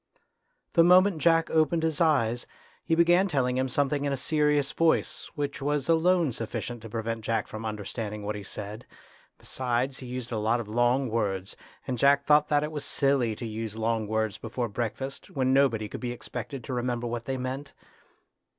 The moment Jack opened his eyes, he began telling him something in a serious voice, which was alone sufficient to prevent Jack from understanding what he said. Besides, he used a lot of long words, and Jack thought that it was silly to use long words before breakfast, when nobody could be expected to remember what they meant.